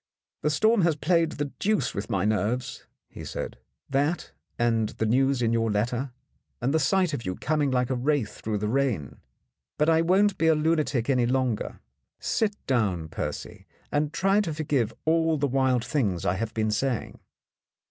"The storm has played the deuce with my nerves," he said, "that and the news in your letter, and the sight of you coming like a wraith through the rain. But I won't be a lunatic any longer. Sit down, Percy, and try to forgive all the wild things I have been saying.